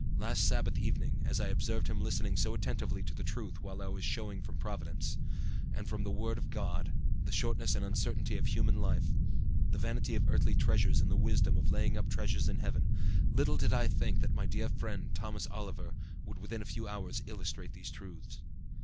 Last Sabbath evening, as I observed him listening so attentively to the truth while I was showing from Providence, and from the Word of God, the shortness and uncertainty of human life, the vanity of earthly treasures and the wisdom of laying up treasures in heaven, little did I think that my dear friend, Thomas Oliver, would within a few hours illustrate these truths.